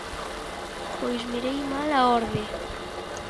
Pois mirei mal a orde.